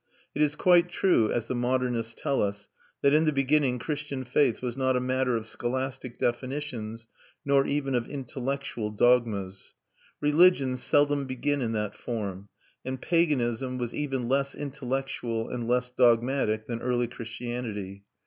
It is quite true, as the modernists tell us, that in the beginning Christian faith was not a matter of scholastic definitions, nor even of intellectual dogmas. Religions seldom begin in that form, and paganism was even less intellectual and less dogmatic than early Christianity.